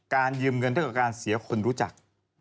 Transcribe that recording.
ยืมเงินเท่ากับการเสียคนรู้จัก